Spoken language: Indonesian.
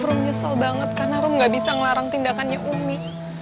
rum nyesel banget karena rum nggak bisa ngelarang tindakannya umi